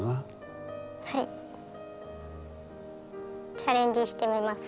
チャレンジしてみます。